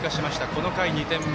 この回２点目。